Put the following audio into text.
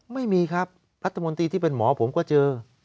ไม่มีครับรัฐมนตรีที่เป็นหมอผมก็เจอ